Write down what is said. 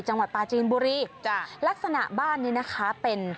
จังหวัดปลาจีนบุรีจ้ะลักษณะบ้านนี้นะคะเป็น